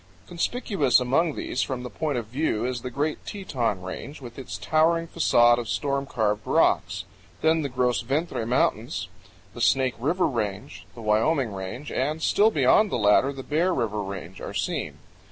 Conspicuous among these from this point of view is the great Teton Range, with its towering facade of storm carved rocks; then the Gros Ventre Mountains, the Snake River Range, the Wyoming Range, and, still beyond the latter, the Bear River Range, are seen.